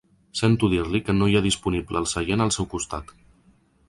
Sento dir-li que no hi ha disponible el seient al seu costat.